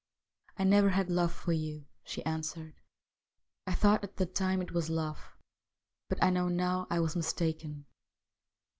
' I never had love for you,' she answered. ' I thought at the time it was love, but I know now I was mistaken.'